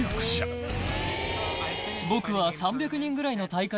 僕は。